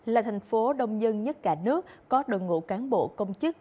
là thành phố đông dân nhất cả nước có đội ngũ cán bộ công chức